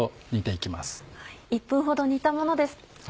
１分ほど煮たものです。